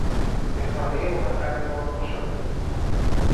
به خانهی محقر ما خوش آمدید.